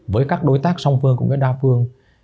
với các đối tác song phương cũng như đa phương